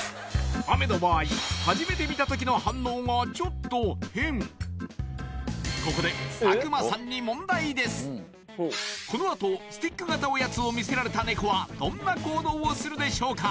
あめの場合初めて見た時の反応がちょっと変ここでこのあとスティック型おやつを見せられたネコはどんな行動をするでしょうか？